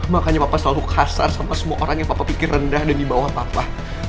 makanya papa selalu kasar sama semua orang yang papa pikir rendah dan dibawah papa